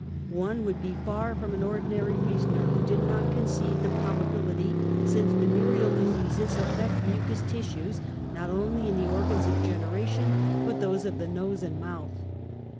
One would be far from an or dinary reasoner who did not concede the probability, since^venereal diseases aifect mucus tissues, not only in the organs of generation, but those of the nose and mouth.